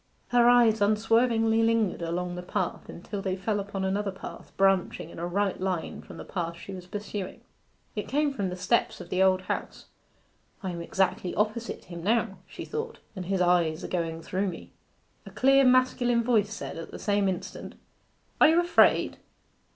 Her eyes unswervingly lingered along the path until they fell upon another path branching in a right line from the path she was pursuing. It came from the steps of the Old House. 'I am exactly opposite him now,' she thought, 'and his eyes are going through me.' A clear masculine voice said, at the same instant 'Are you afraid?